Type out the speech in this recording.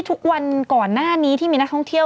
ดื่มน้ำก่อนสักนิดใช่ไหมคะคุณพี่